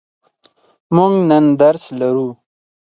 موږ نن درس لرو.